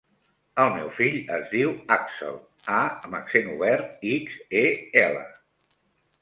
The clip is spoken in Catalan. El meu fill es diu Àxel: a amb accent obert, ics, e, ela.